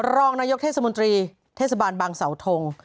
รองนายกเทศมนตรีเทศบาลบางเสาทง